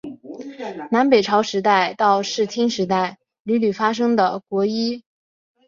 南北朝时代到室町时代屡屡发生的国一揆就是国人领主的结合。